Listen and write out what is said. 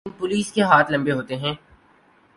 لیکن پولیس کے ہاتھ لمبے ہوتے ہیں۔